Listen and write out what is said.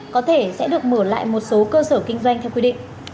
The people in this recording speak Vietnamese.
có thể sẽ được mở lại một số cơ sở kinh doanh theo quy định